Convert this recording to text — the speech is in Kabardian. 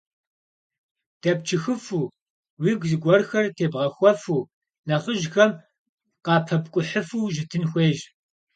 Дэпчыхыфу, уигу зыгуэрхэр тебгъэхуэфу, нэхъыжьхэм къапэпкӀухьыфу ущытын хуейщ.